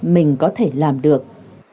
mình có thể làm được